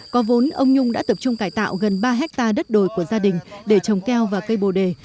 có vốn ông nhung đã tập trung cải tạo gần ba hectare đất đồi của gia đình để trồng keo và cây bồ đề